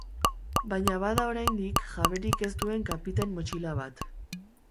Baina bada oraindik jaberik ez duen kapitain motxila bat.